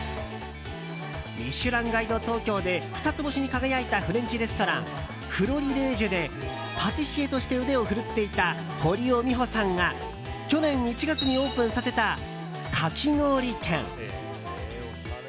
「ミシュランガイド東京」で二つ星に輝いたフレンチレストランフロリレージュでパティシエとして腕を振るっていた堀尾美穂さんが去年１月にオープンさせたかき氷店。